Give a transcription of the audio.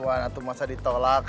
atau masa ditolak